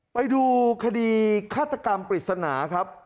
ไปดูคดีฆาตกรรมปริศนาครับ